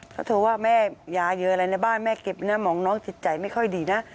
เขาโทรว่าแม่ยาเยอะอะไรในบ้านแม่เก็บนะหมองน้องจิตใจไม่ค่อยดีนะ